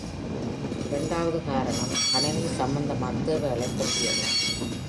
இரண்டாவது காரணம் கணினி சம்மந்தமான தேவைகளை பற்றியது